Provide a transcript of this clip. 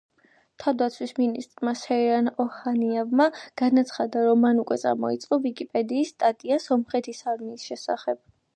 თავდაცვის მინისტრმა სეირან ოჰანიანმა განაცხადა, რომ მან უკვე წამოიწყო ვიკიპედიის სტატია სომხეთის არმიის შესახებ.